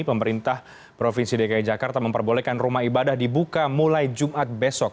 pemerintah provinsi dki jakarta memperbolehkan rumah ibadah dibuka mulai jumat besok